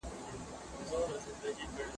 زه اجازه لرم چي کالي وچوم؟!